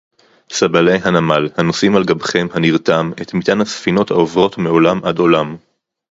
סַבָּלֵי הַנָּמֵל, הַנּוֹשְׂאִים עַל גַּבְּכֶם הַנִּירְתָּם אֶת מִטְעַן הַסְּפִינוֹת הָעוֹבְרוֹת מֵעוֹלָם עַד עוֹלָם